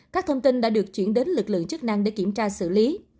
các thông tin đã được chuyển đến lực lượng chức năng để kiểm tra xử lý